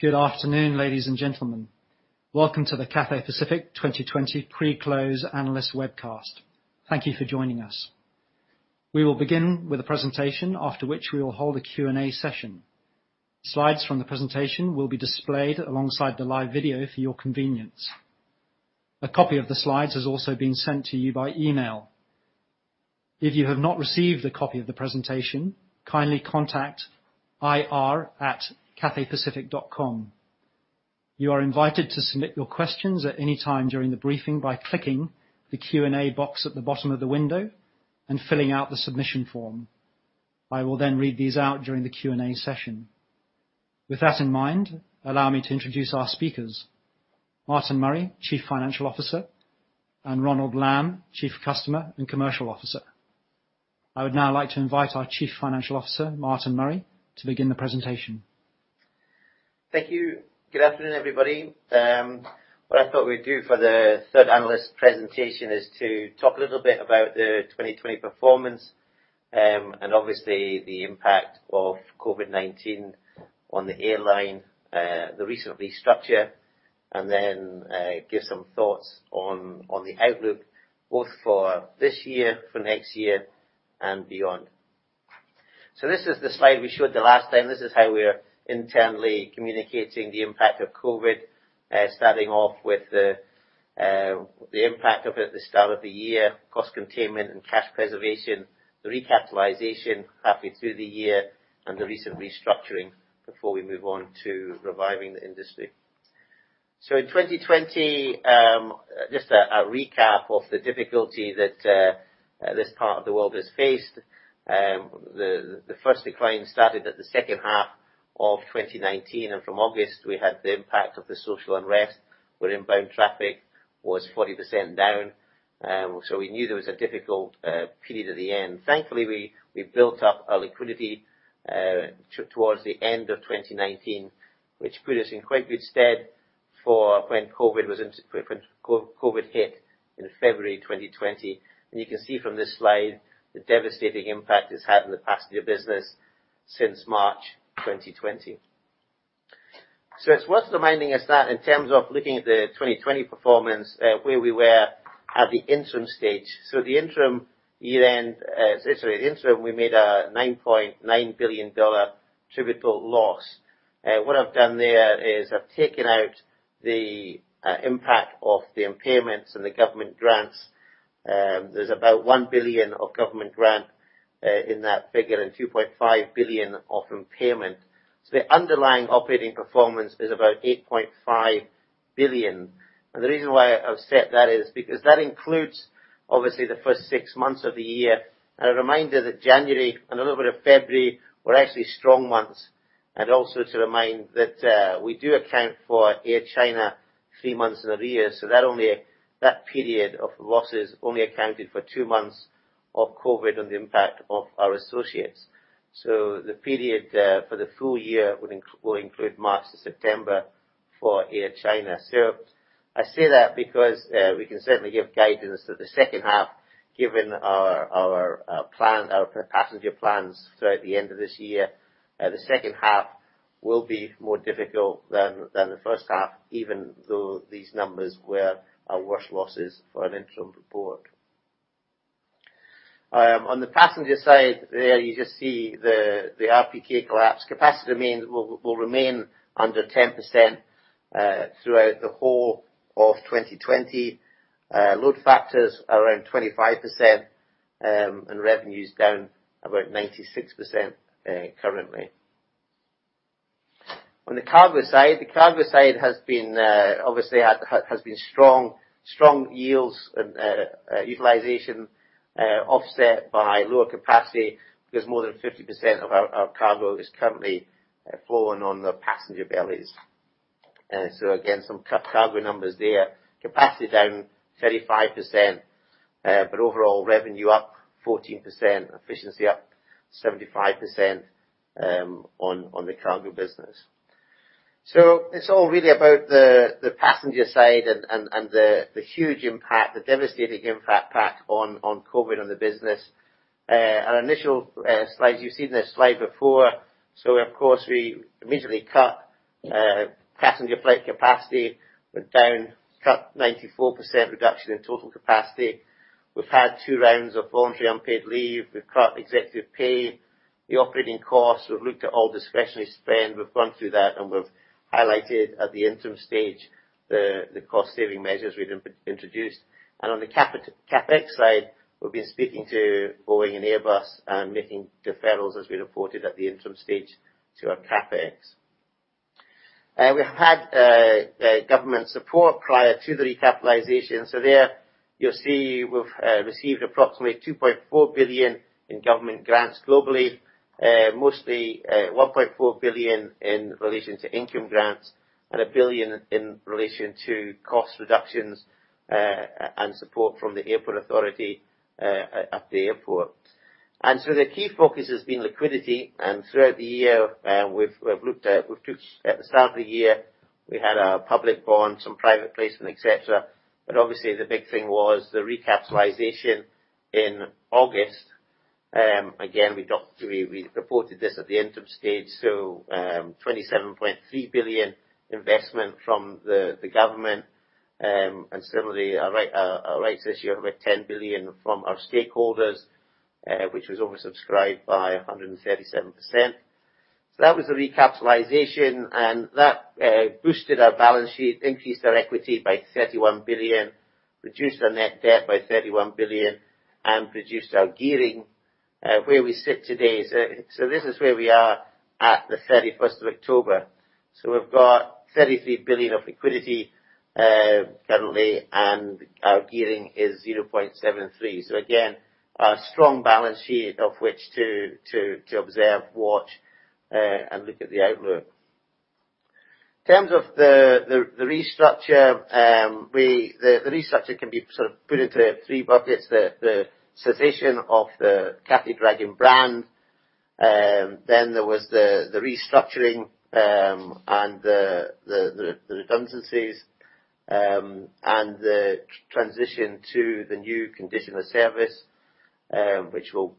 Good afternoon, ladies and gentlemen. Welcome to the Cathay Pacific 2020 Pre-Close Analyst Webcast. Thank you for joining us. We will begin with a presentation, after which we will hold a Q&A session. Slides from the presentation will be displayed alongside the live video for your convenience. A copy of the slides has also been sent to you by email. If you have not received a copy of the presentation, kindly contact ir@cathaypacific.com. You are invited to submit your questions at any time during the briefing by clicking the Q&A box at the bottom of the window and filling out the submission form. I will read these out during the Q&A session. With that in mind, allow me to introduce our speakers. Martin Murray, Chief Financial Officer, and Ronald Lam, Chief Customer and Commercial Officer. I would now like to invite our Chief Financial Officer, Martin Murray, to begin the presentation. Thank you. Good afternoon, everybody. What I thought we'd do for the third analyst presentation is to talk a little bit about the 2020 performance, and obviously the impact of COVID-19 on the airline, the recent restructure, and then give some thoughts on the outlook, both for this year, for next year and beyond. This is the slide we showed the last time. This is how we're internally communicating the impact of COVID, starting off with the impact of it at the start of the year, cost containment and cash preservation, the recapitalization happened through the year, and the recent restructuring before we move on to reviving the industry. In 2020, just a recap of the difficulty that this part of the world has faced. The first decline started at the second half of 2019. From August we had the impact of the social unrest where inbound traffic was 40% down. We knew there was a difficult period at the end. Thankfully, we built up our liquidity towards the end of 2019, which put us in quite good stead for when COVID hit in February 2020. You can see from this slide the devastating impact it's had on the passenger business since March 2020. It's worth reminding us that in terms of looking at the 2020 performance, where we were at the interim stage. The interim, we made a 9.9 billion dollar attributable loss. What I've done there is I've taken out the impact of the impairments and the government grants. There's about 1 billion of government grant in that figure and 2.5 billion of impairment. The underlying operating performance is about 8.5 billion. The reason why I've said that is because that includes obviously the first six months of the year. A reminder that January and a little bit of February were actually strong months, and also to remind that we do account for Air China three months in a year. That period of losses only accounted for two months of COVID and the impact of our associates. The period for the full year will include March to September for Air China. I say that because we can certainly give guidance to the second half, given our passenger plans throughout the end of this year. The second half will be more difficult than the first half, even though these numbers were our worst losses for an interim report. On the passenger side there, you just see the RPK collapse. Capacity will remain under 10% throughout the whole of 2020. Load factors are around 25%, and revenue's down about 96% currently. On the cargo side, the cargo side obviously has been strong. Strong yields and utilization offset by lower capacity because more than 50% of our cargo is currently flown on the passenger bellies. Again, some cargo numbers there. Capacity down 35%, overall revenue up 14%, efficiency up 75% on the cargo business. It's all really about the passenger side and the huge impact, the devastating impact on COVID on the business. An initial slide, you've seen this slide before. Of course we immediately cut passenger flight capacity down, cut 94% reduction in total capacity. We've had two rounds of voluntary unpaid leave. We've cut executive pay. The operating costs, we've looked at all discretionary spend. We've gone through that and we've highlighted at the interim stage the cost saving measures we've introduced. On the CapEx side, we've been speaking to Boeing and Airbus and making deferrals as we reported at the interim stage to our CapEx. We've had government support prior to the recapitalization. There you'll see we've received approximately 2.4 billion in government grants globally, mostly 1.4 billion in relation to income grants and 1 billion in relation to cost reductions and support from the Airport Authority at the airport. The key focus has been liquidity. Throughout the year, at the start of the year, we had a public bond, some private placement, et cetera. Obviously the big thing was the recapitalization in August. Again, we reported this at the interim stage. 27.3 billion investment from the government, and similarly, our rights issue of about 10 billion from our stakeholders, which was oversubscribed by 137%. That was the recapitalization, and that boosted our balance sheet, increased our equity by 31 billion, reduced our net debt by 31 billion and reduced our gearing. Where we sit today. This is where we are at the 31st of October. We've got 33 billion of liquidity currently, and our gearing is 0.73. Again, a strong balance sheet of which to observe, watch, and look at the outlook. In terms of the restructure, the restructure can be sort of put into three buckets. The cessation of the Cathay Dragon brand. There was the restructuring, and the redundancies, and the transition to the new conditional service, which will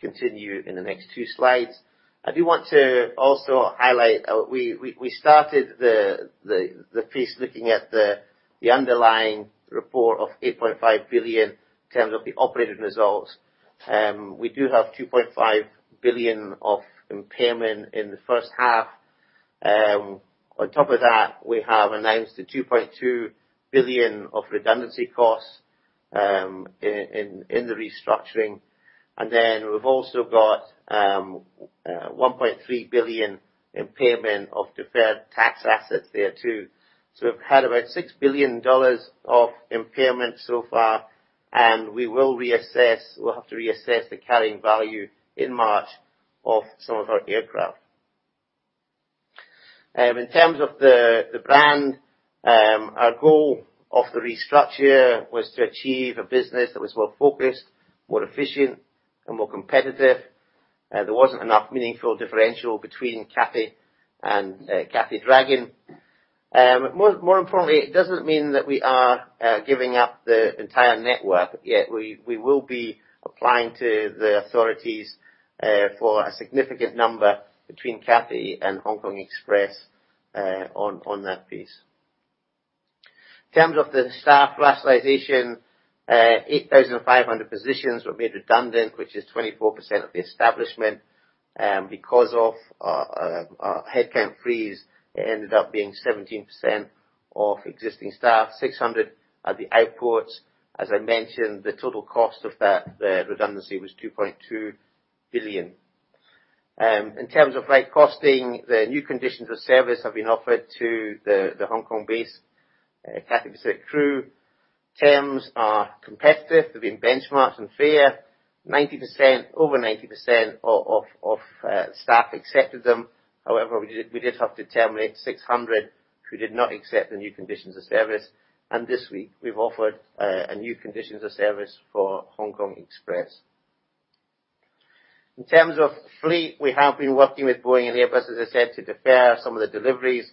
continue in the next two slides. I do want to also highlight, we started the piece looking at the underlying report of 8.5 billion in terms of the operated results. We do have 2.5 billion of impairment in the first half. On top of that, we have announced the 2.2 billion of redundancy costs in the restructuring. We've also got 1.3 billion impairment of deferred tax assets there too. We've had about 6 billion dollars of impairment so far, and we will reassess. We'll have to reassess the carrying value in March of some of our aircraft. In terms of the brand, our goal of the restructure was to achieve a business that was more focused, more efficient and more competitive. There wasn't enough meaningful differential between Cathay and Cathay Dragon. More importantly, it doesn't mean that we are giving up the entire network, yet we will be applying to the authorities for a significant number between Cathay and Hong Kong Express on that piece. In terms of the staff rationalization, 8,500 positions will be redundant, which is 24% of the establishment. Because of our headcount freeze, it ended up being 17% of existing staff, 600 at the airports. As I mentioned, the total cost of that redundancy was 2.2 billion. In terms of right costing, the new conditions of service have been offered to the Hong Kong-based Cathay Pacific crew. Terms are competitive. They've been benchmarked and fair. Over 90% of staff accepted them. However, we did have to terminate 600 who did not accept the new conditions of service. This week we've offered new conditions of service for Hong Kong Express. In terms of fleet, we have been working with Boeing and Airbus, as I said, to defer some of the deliveries.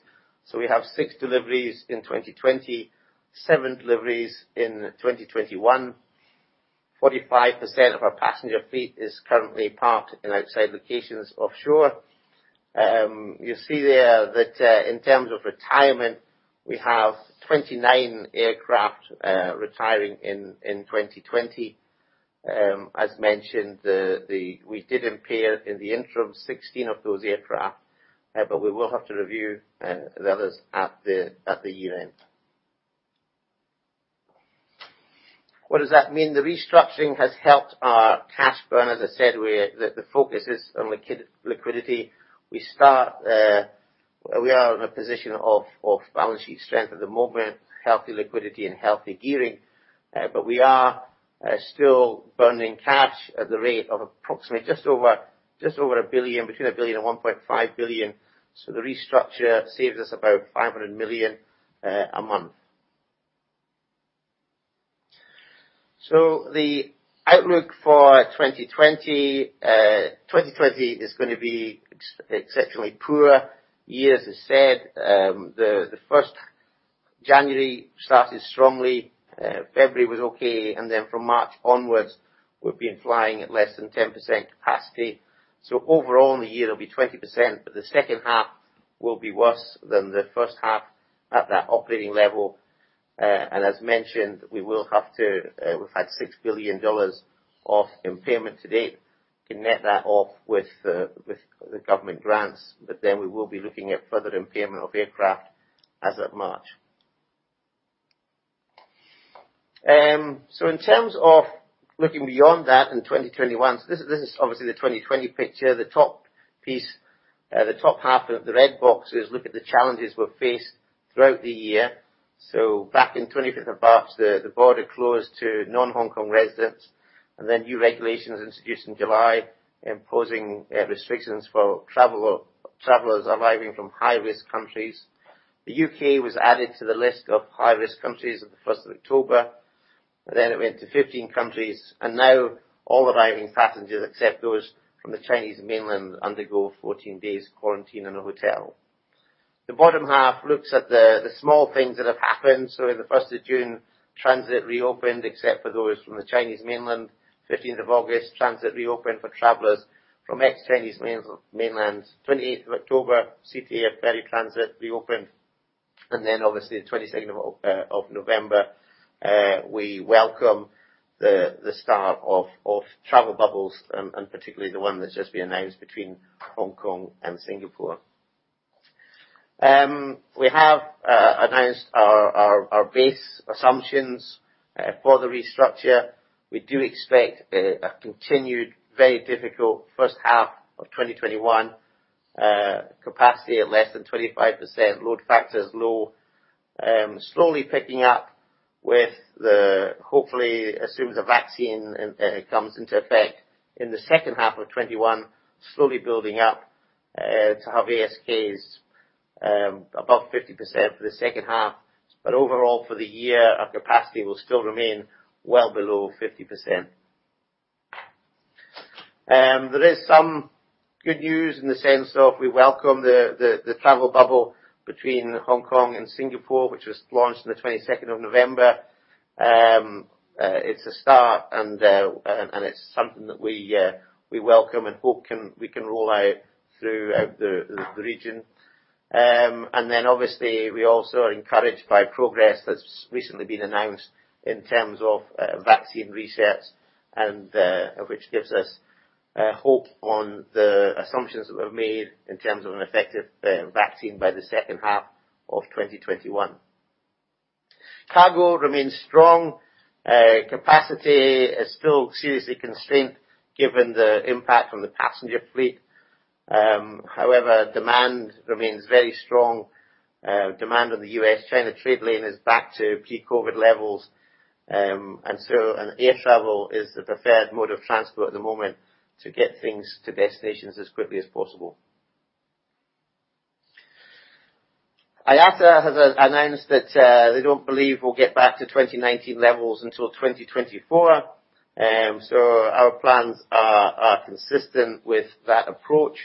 We have six deliveries in 2020, seven deliveries in 2021. 45% of our passenger fleet is currently parked in outside locations offshore. You see there that, in terms of retirement, we have 29 aircraft retiring in 2020. As mentioned, we did impair in the interim 16 of those aircraft. We will have to review the others at the year-end. What does that mean? The restructuring has helped our cash burn. As I said, the focus is on liquidity. We are in a position of balance sheet strength at the moment, healthy liquidity and healthy gearing. We are still burning cash at the rate of approximately just over 1 billion, between 1 billion and 1.5 billion. The restructure saves us about 500 million a month. The outlook for 2020. 2020 is going to be exceptionally poor year. As I said, the 1st January started strongly, February was okay, and then from March onwards, we've been flying at less than 10% capacity. Overall, on the year, it'll be 20%, but the second half will be worse than the first half at that operating level. As mentioned, we've had 6 billion dollars of impairment to date. We can net that off with the government grants, we will be looking at further impairment of aircraft as of March. In terms of looking beyond that in 2021. This is obviously the 2020 picture. The top piece, the top half of the red boxes, look at the challenges we've faced throughout the year. Back in 25th of March, the border closed to non-Hong Kong residents, and then new regulations introduced in July imposing restrictions for travelers arriving from high-risk countries. The U.K. was added to the list of high-risk countries at the 1st of October. It went to 15 countries. Now all arriving passengers, except those from the Chinese mainland, undergo 14 days quarantine in a hotel. The bottom half looks at the small things that have happened. On the 1st of June, transit reopened except for those from the Chinese mainland. 15th of August, transit reopened for travelers from ex-Chinese mainland. 28th of October, [SkyPier] ferry transit reopened, and then obviously the 22nd of November, we welcome the start of travel bubbles, and particularly the one that's just been announced between Hong Kong and Singapore. We have announced our base assumptions for the restructure. We do expect a continued very difficult first half of 2021. Capacity at less than 25%, load factor is low. Slowly picking up with hopefully, assuming the vaccine comes into effect in the second half of 2021, slowly building up to have ASKs above 50% for the second half. Overall for the year, our capacity will still remain well below 50%. There is some good news in the sense of we welcome the travel bubble between Hong Kong and Singapore, which was launched on the 22nd of November. It's a start and it's something that we welcome and hope we can roll out throughout the region. Obviously, we also are encouraged by progress that's recently been announced in terms of vaccine research, which gives us hope on the assumptions that we've made in terms of an effective vaccine by the second half of 2021. Cargo remains strong. Capacity is still seriously constrained given the impact on the passenger fleet. However, demand remains very strong. Demand on the U.S.-China trade lane is back to pre-COVID levels. Air travel is the preferred mode of transport at the moment to get things to destinations as quickly as possible. IATA has announced that they don't believe we'll get back to 2019 levels until 2024. Our plans are consistent with that approach.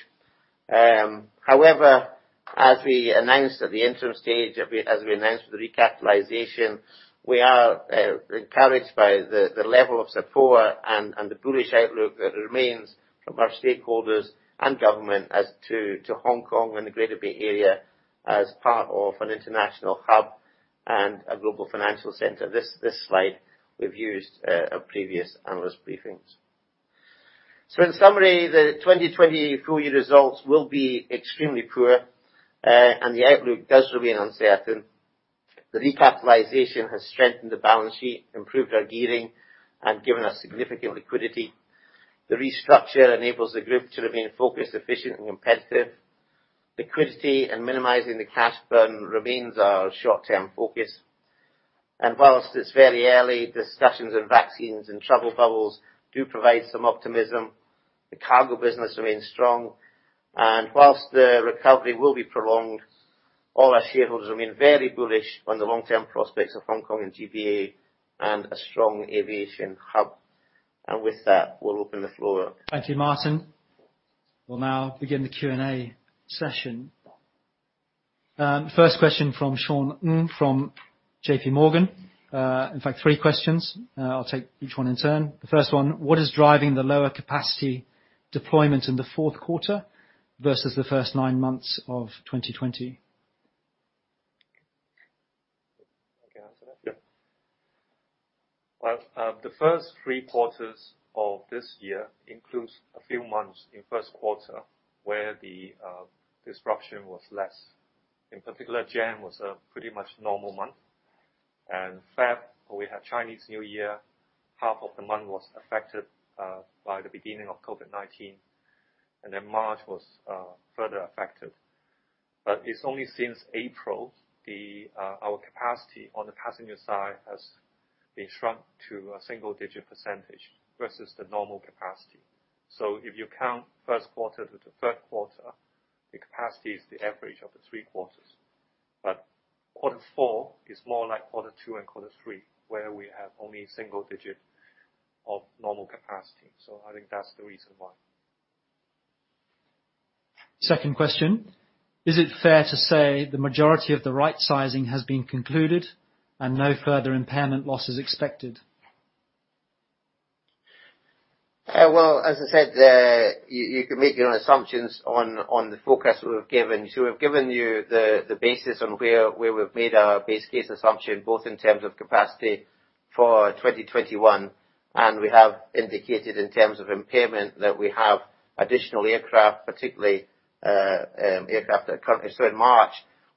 However, as we announced at the interim stage, as we announced the recapitalization, we are encouraged by the level of support and the bullish outlook that remains from our stakeholders and government as to Hong Kong and the Greater Bay Area as part of an international hub and a global financial center. This slide we've used at previous analyst briefings. In summary, the 2020 full year results will be extremely poor, and the outlook does remain uncertain. The recapitalization has strengthened the balance sheet, improved our gearing, and given us significant liquidity. The restructure enables the group to remain focused, efficient, and competitive. Liquidity and minimizing the cash burn remains our short-term focus. Whilst it's very early, discussions on vaccines and travel bubbles do provide some optimism. The cargo business remains strong. Whilst the recovery will be prolonged, all our shareholders remain very bullish on the long-term prospects of Hong Kong and GBA and a strong aviation hub. With that, we'll open the floor. Thank you, Martin. We'll now begin the Q&A session. First question from Sean Ng from JPMorgan. In fact, three questions. I'll take each one in turn. The first one, what is driving the lower capacity deployment in the fourth quarter versus the first nine months of 2020? I can answer that. Yeah. Well, the first three quarters of this year includes a few months in first quarter where the disruption was less. In particular, January was a pretty much normal month. February, we had Chinese New Year, half of the month was affected by the beginning of COVID-19. March was further affected. It's only since April, our capacity on the passenger side has been shrunk to a single-digit percentage versus the normal capacity. If you count first quarter to the third quarter, the capacity is the average of the three quarters. Quarter four is more like quarter two and quarter three, where we have only single digit of normal capacity. I think that's the reason why. Second question. Is it fair to say the majority of the right sizing has been concluded and no further impairment loss is expected? Well, as I said, you can make your own assumptions on the forecast we've given. We've given you the basis on where we've made our base case assumption, both in terms of capacity for 2021, and we have indicated in terms of impairment that we have additional aircraft, particularly aircraft that are currently still in March.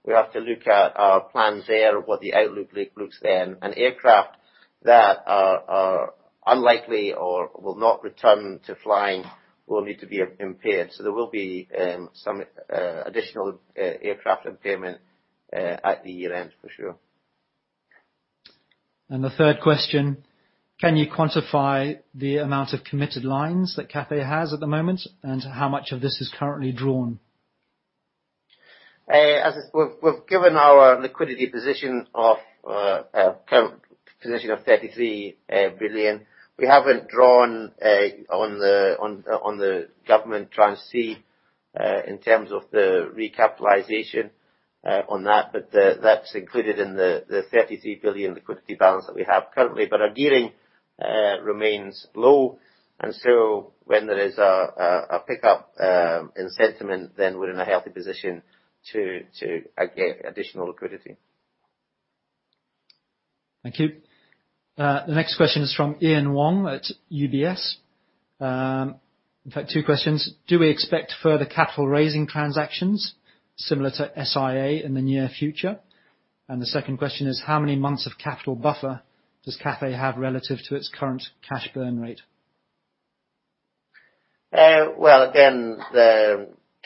We have to look at our plans there of what the outlook looks then. Aircraft that are unlikely or will not return to flying will need to be impaired. There will be some additional aircraft impairment at the year-end, for sure. The third question, can you quantify the amount of committed lines that Cathay has at the moment? How much of this is currently drawn? We've given our liquidity position of 33 billion. We haven't drawn on the government tranche C in terms of the recapitalization on that. That's included in the 33 billion liquidity balance that we have currently. Our gearing remains low. When there is a pickup in sentiment, we're in a healthy position to get additional liquidity. Thank you. The next question is from Ian Wong at UBS. In fact, two questions. Do we expect further capital-raising transactions similar to SIA in the near future? The second question is, how many months of capital buffer does Cathay have relative to its current cash burn rate? Again,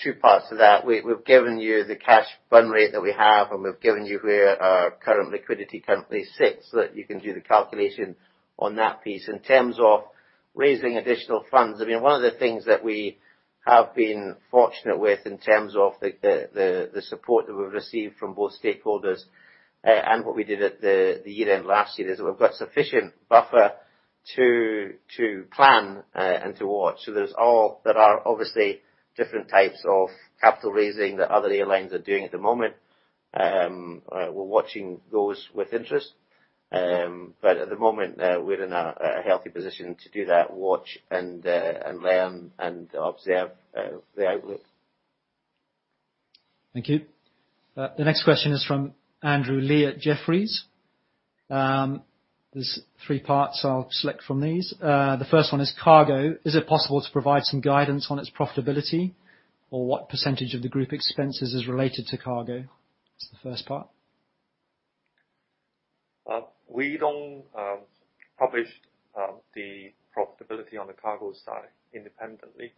two parts to that. We've given you the cash burn rate that we have, and we've given you where our current liquidity currently sits, so that you can do the calculation on that piece. In terms of raising additional funds, one of the things that we have been fortunate with in terms of the support that we've received from both stakeholders and what we did at the year-end last year, is that we've got sufficient buffer to plan and to watch. There are obviously different types of capital raising that other airlines are doing at the moment. We're watching those with interest. At the moment, we're in a healthy position to do that watch and learn and observe the outlook. Thank you. The next question is from Andrew Lee at Jefferies. There's three parts, I'll select from these. The first one is cargo. Is it possible to provide some guidance on its profitability? What percentage of the group expenses is related to cargo? That's the first part. We don't publish the profitability on the cargo side independently,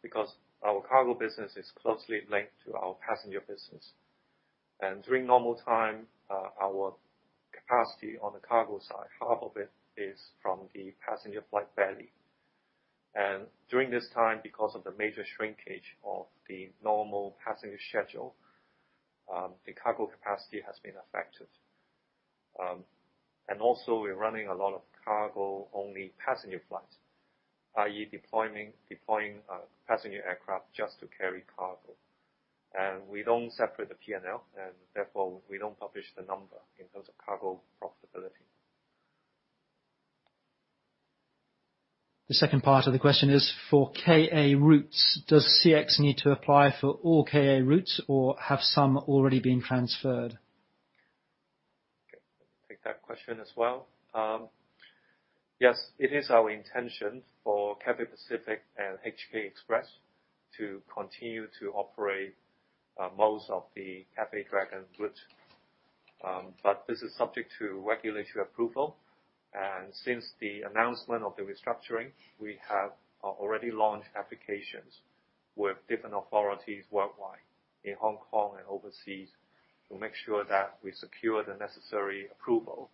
because our cargo business is closely linked to our passenger business. During normal time, our capacity on the cargo side, half of it is from the passenger flight belly. During this time, because of the major shrinkage of the normal passenger schedule, the cargo capacity has been affected. Also, we're running a lot of cargo-only passenger flights, i.e., deploying passenger aircraft just to carry cargo. We don't separate the P&L, and therefore, we don't publish the number in terms of cargo profitability. The second part of the question is, for KA routes, does CX need to apply for all KA routes, or have some already been transferred? Okay, let me take that question as well. Yes, it is our intention for Cathay Pacific and HK Express to continue to operate most of the Cathay Dragon routes. This is subject to regulatory approval, and since the announcement of the restructuring, we have already launched applications with different authorities worldwide, in Hong Kong and overseas, to make sure that we secure the necessary approval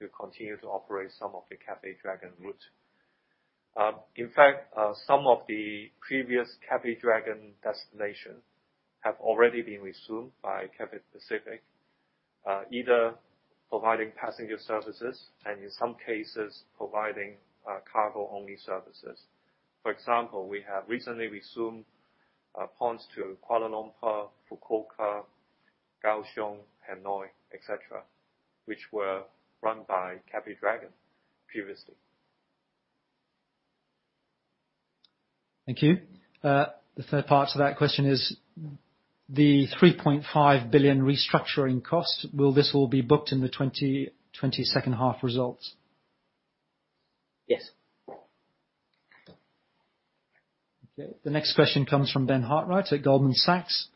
to continue to operate some of the Cathay Dragon routes. In fact, some of the previous Cathay Dragon destinations have already been resumed by Cathay Pacific, either providing passenger services and, in some cases, providing cargo-only services. For example, we have recently resumed points to Kuala Lumpur, Fukuoka, Kaohsiung, Hanoi, et cetera, which were run by Cathay Dragon previously. Thank you. The third part to that question is, the 3.5 billion restructuring cost, will this all be booked in the 2022 second half results? Yes. Okay. The next question comes from Ben Hartwright at Goldman Sachs.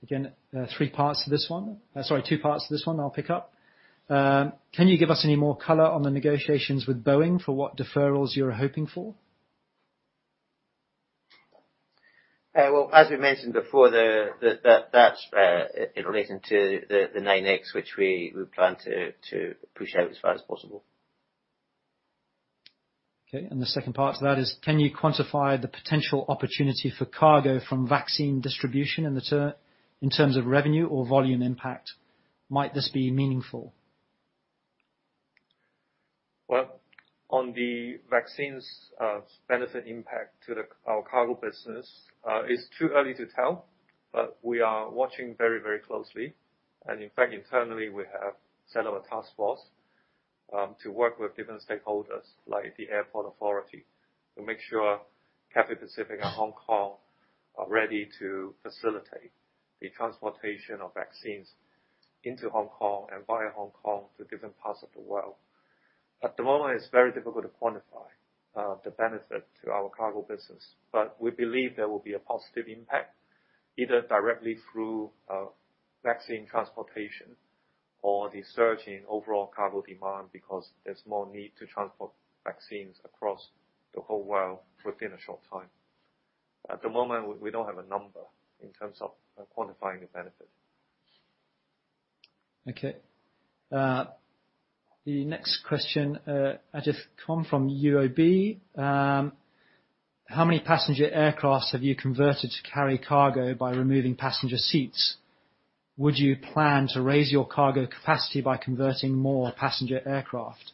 Again, three parts to this one. Sorry, two parts to this one I'll pick up. Can you give us any more color on the negotiations with Boeing for what deferrals you're hoping for? Well, as we mentioned before, that's in relation to the 777-9X, which we plan to push out as far as possible. Okay, the second part to that is, can you quantify the potential opportunity for cargo from vaccine distribution in terms of revenue or volume impact? Might this be meaningful? Well, on the vaccine's benefit impact to our cargo business, it's too early to tell, but we are watching very closely. In fact, internally, we have set up a task force to work with different stakeholders, like the Airport Authority, to make sure Cathay Pacific and Hong Kong are ready to facilitate the transportation of vaccines into Hong Kong and via Hong Kong to different parts of the world. At the moment, it's very difficult to quantify the benefit to our cargo business. We believe there will be a positive impact, either directly through vaccine transportation or the surge in overall cargo demand, because there's more need to transport vaccines across the whole world within a short time. At the moment, we don't have a number in terms of quantifying the benefit. Okay. The next question, Ajith Kumar from UOB. How many passenger aircraft have you converted to carry cargo by removing passenger seats? Would you plan to raise your cargo capacity by converting more passenger aircraft?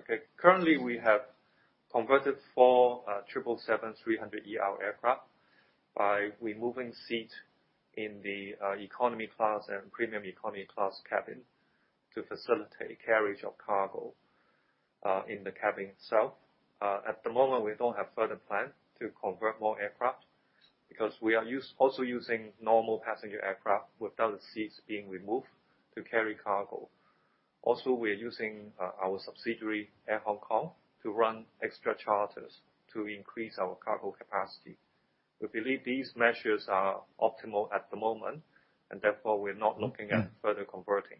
Okay. Currently, we have converted four 777-300ER aircraft by removing seats in the economy class and premium economy class cabin to facilitate carriage of cargo in the cabin itself. At the moment, we don't have further plan to convert more aircraft because we are also using normal passenger aircraft without the seats being removed to carry cargo. We're using our subsidiary, Air Hong Kong, to run extra charters to increase our cargo capacity. We believe these measures are optimal at the moment, and therefore, we're not looking at further converting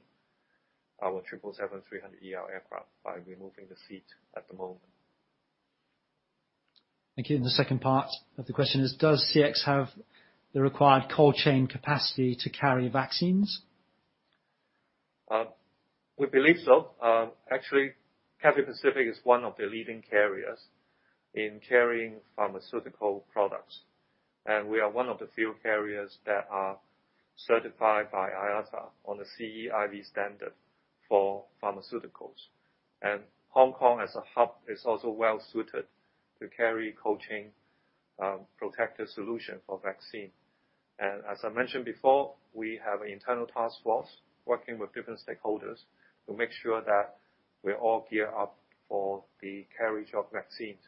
our 777-300ER aircraft by removing the seat at the moment. Thank you. The second part of the question is, does CX have the required cold chain capacity to carry vaccines? We believe so. Actually, Cathay Pacific is one of the leading carriers in carrying pharmaceutical products. We are one of the few carriers that are certified by IATA on the CEIV standard for pharmaceuticals. Hong Kong as a hub is also well-suited to carry cold chain protected solution for vaccine. As I mentioned before, we have an internal task force working with different stakeholders to make sure that we're all geared up for the carriage of vaccines.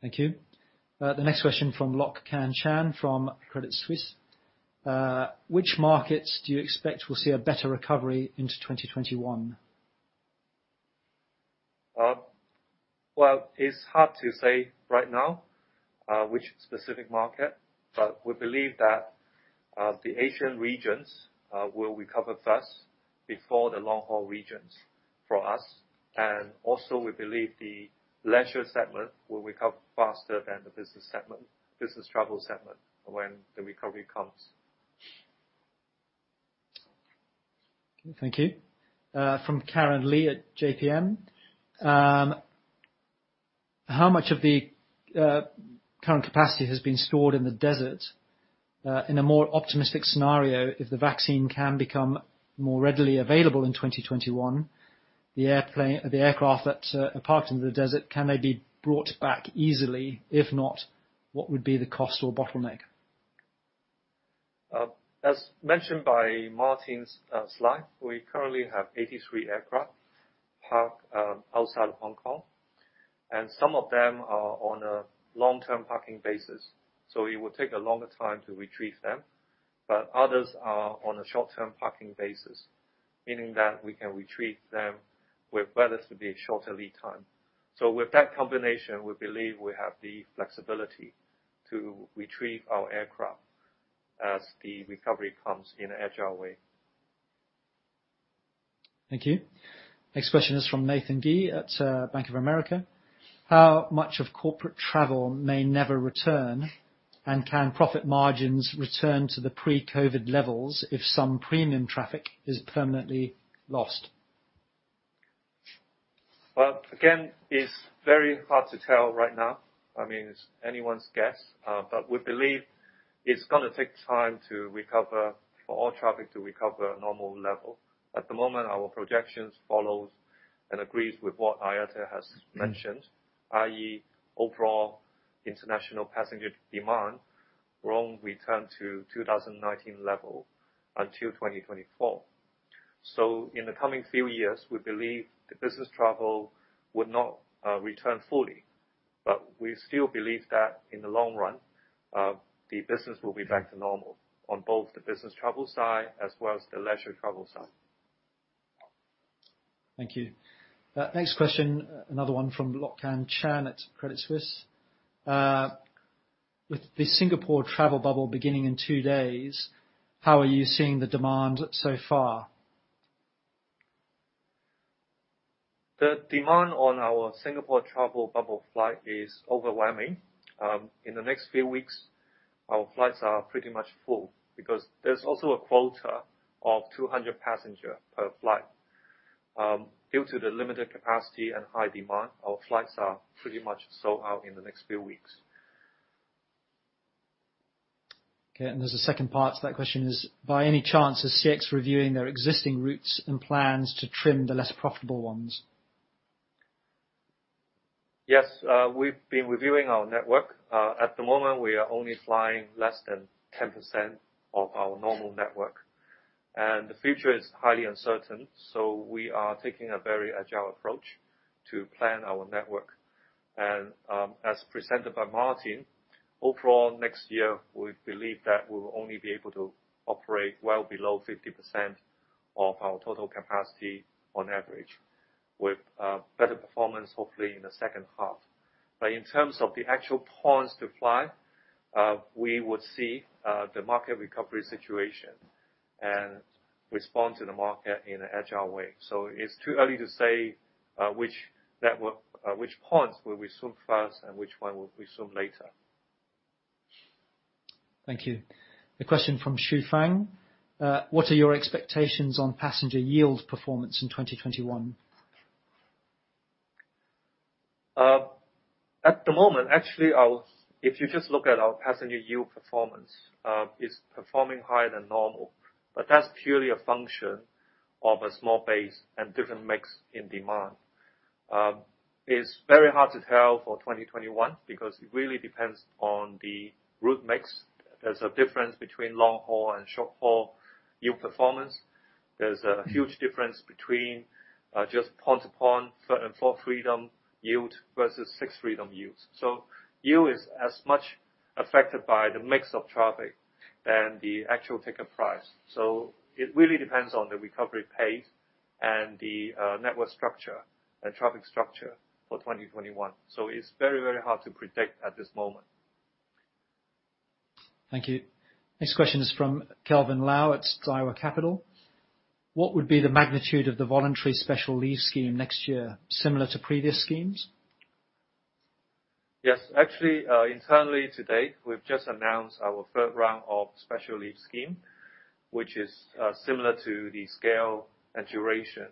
Thank you. The next question from Lok Kan Chan from Credit Suisse. Which markets do you expect will see a better recovery into 2021? It's hard to say right now which specific market, but we believe that the Asian regions will recover first before the long-haul regions for us. Also, we believe the leisure segment will recover faster than the business travel segment when the recovery comes. Okay. Thank you. From Karen Li at JPM. How much of the current capacity has been stored in the desert? In a more optimistic scenario, if the vaccine can become more readily available in 2021, the aircraft that are parked in the desert, can they be brought back easily? If not, what would be the cost or bottleneck? As mentioned by Martin's slide, we currently have 83 aircraft parked outside of Hong Kong, and some of them are on a long-term parking basis, so it would take a longer time to retrieve them. Others are on a short-term parking basis, meaning that we can retrieve them with relatively shorter lead time. With that combination, we believe we have the flexibility to retrieve our aircraft as the recovery comes in an agile way. Thank you. Next question is from Nathan Gee at Bank of America. How much of corporate travel may never return, and can profit margins return to the pre-COVID levels if some premium traffic is permanently lost? Again, it's very hard to tell right now. It's anyone's guess. We believe it's going to take time for all traffic to recover at normal level. At the moment, our projections follows and agrees with what IATA has mentioned, i.e., overall international passenger demand won't return to 2019 level until 2024. In the coming few years, we believe the business travel would not return fully. We still believe that in the long run, the business will be back to normal on both the business travel side as well as the leisure travel side. Thank you. Next question, another one from Lok Kan Chan at Credit Suisse. With the Singapore travel bubble beginning in two days, how are you seeing the demand so far? The demand on our Singapore travel bubble flight is overwhelming. In the next few weeks, our flights are pretty much full because there's also a quota of 200 passenger per flight. Due to the limited capacity and high demand, our flights are pretty much sold out in the next few weeks. Okay. There's a second part to that question is, by any chance, is CX reviewing their existing routes and plans to trim the less profitable ones? Yes. We've been reviewing our network. At the moment, we are only flying less than 10% of our normal network. The future is highly uncertain, we are taking a very agile approach to plan our network. As presented by Martin, overall next year, we believe that we will only be able to operate well below 50% of our total capacity on average, with better performance hopefully in the second half. In terms of the actual points to fly, we would see the market recovery situation and respond to the market in an agile way. It's too early to say which points will resume first and which one will resume later. Thank you. A question from Xu Fang. "What are your expectations on passenger yield performance in 2021? At the moment, actually, if you just look at our passenger yield performance, it's performing higher than normal. That's purely a function of a small base and different mix in demand. It's very hard to tell for 2021, because it really depends on the route mix. There's a difference between long haul and short haul yield performance. There's a huge difference between just point-to-point, third and fourth freedom yield versus sixth freedom yields. Yield is as much affected by the mix of traffic than the actual ticket price. It really depends on the recovery pace and the network structure and traffic structure for 2021. It's very hard to predict at this moment. Thank you. Next question is from Kelvin Lau at Daiwa Capital. "What would be the magnitude of the voluntary special leave scheme next year, similar to previous schemes? Yes. Actually, internally to date, we've just announced our third round of special leave scheme, which is similar to the scale and duration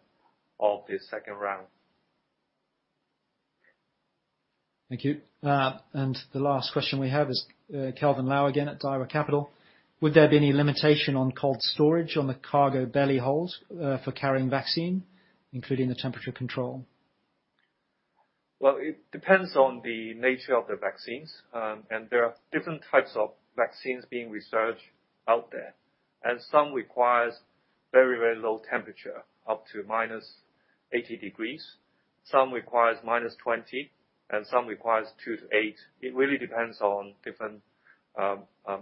of the second round. Thank you. The last question we have is Kelvin Lau again at Daiwa Capital. "Would there be any limitation on cold storage on the cargo belly holds for carrying vaccine, including the temperature control? Well, it depends on the nature of the vaccines. There are different types of vaccines being researched out there. Some requires very low temperature, up to minus 80 degrees. Some requires minus 20. Some requires two to eight. It really depends on different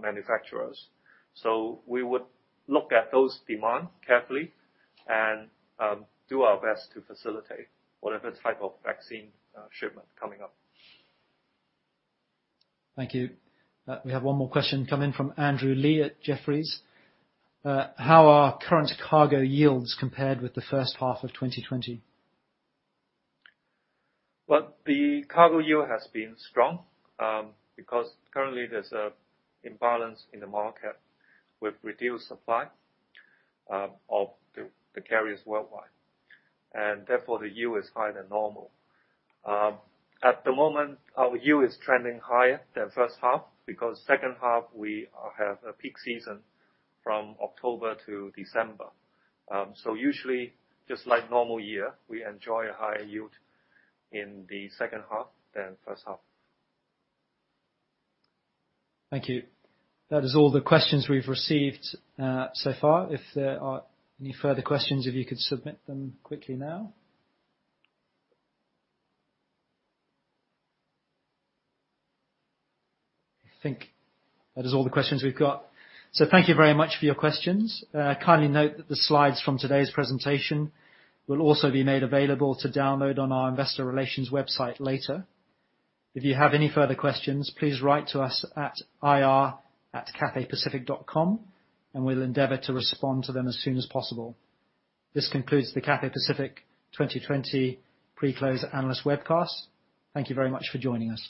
manufacturers. We would look at those demand carefully and do our best to facilitate whatever type of vaccine shipment coming up. Thank you. We have one more question come in from Andrew Lee at Jefferies. "How are current cargo yields compared with the first half of 2020? Well, the cargo yield has been strong, because currently there is an imbalance in the market with reduced supply of the carriers worldwide. Therefore, the yield is higher than normal. At the moment, our yield is trending higher than first half, because second half we have a peak season from October to December. Usually, just like normal year, we enjoy a higher yield in the second half than first half. Thank you. That is all the questions we've received so far. If there are any further questions, if you could submit them quickly now. I think that is all the questions we've got. Thank you very much for your questions. Kindly note that the slides from today's presentation will also be made available to download on our investor relations website later. If you have any further questions, please write to us at ir@cathaypacific.com, and we'll endeavor to respond to them as soon as possible. This concludes the Cathay Pacific 2020 Pre-Close Analyst Webcast. Thank you very much for joining us.